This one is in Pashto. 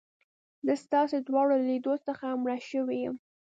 زه ستاسي دواړو له لیدو څخه مړه شوې یم.